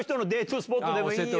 スポットでもいいよ。